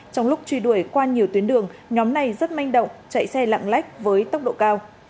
trong lúc truy đuổi qua nhiều tuyến đường nhóm này rất manh động chạy xe lạng lách với tốc độ cao